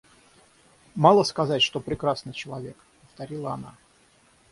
Мало сказать, что прекрасный человек, — повторила она.